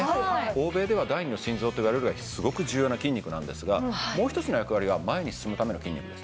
欧米では第二の心臓といわれるぐらいすごく重要な筋肉なんですがもう一つの役割が前に進むための筋肉です。